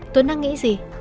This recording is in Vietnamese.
tuấn đang nghĩ gì